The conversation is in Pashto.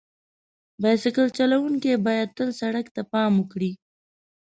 بایسکل چلونکي باید تل سړک ته پام وکړي.